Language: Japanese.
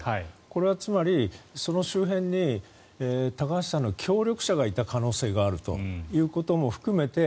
これはつまりその周辺に高橋さんの協力者がいた可能性があるということも含めて